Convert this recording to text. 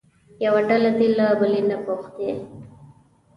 یوه ډله دې له بلې نه پوښتنې وکړي.